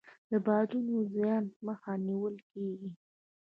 د بادونو د زیان مخه نیول کیږي.